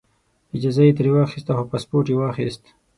اجازه یې ترې واخیسته خو پاسپورټ یې واخیست.